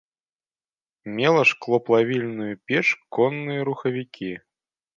Мела шклоплавільную печ, конныя рухавікі.